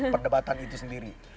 perdebatan itu sendiri